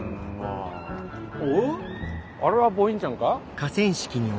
あれはボインちゃんか？